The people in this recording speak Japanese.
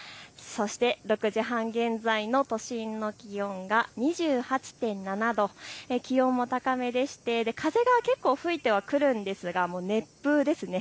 ６時半現在の都心の気温が２８．７度、気温も高めでして、風が結構吹いてはくるんですが熱風ですね。